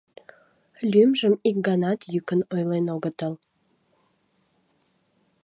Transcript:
Лӱмжым ик ганат йӱкын ойлен огытыл.